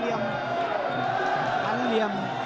โดนท่องมีอาการ